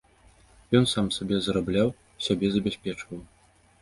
Ён сам сабе зарабляў, сябе забяспечваў.